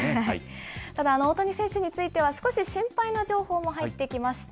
ただ、大谷選手については、少し心配な情報も入ってきました。